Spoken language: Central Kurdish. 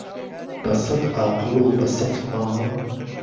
به سەت عاقڵ و بهسەت فام